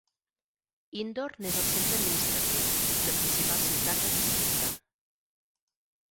Indore n'és el centre administratiu i la principal ciutat del districte.